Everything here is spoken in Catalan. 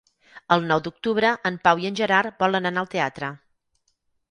El nou d'octubre en Pau i en Gerard volen anar al teatre.